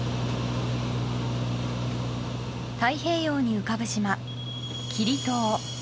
太平洋に浮かぶ島、キリ島。